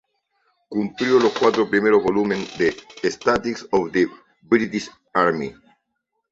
Compiló los primeros cuatro volúmenes de "Statistics of the British Army".